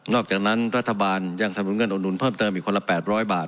อกจากนั้นรัฐบาลยังสนุนเงินอุดหนุนเพิ่มเติมอีกคนละ๘๐๐บาท